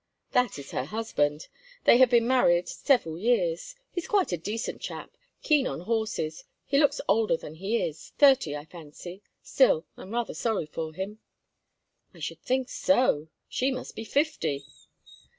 "That is her husband; they have been married several years. He's quite a decent chap—keen on horses—he looks older than he is—thirty—I fancy. Still, I'm rather sorry for him." "I should think so. She must be fifty."